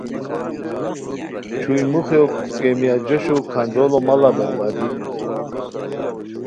چھوئے موخیو کیمیا جوشو کھانجوڑو ماڑہ بربادی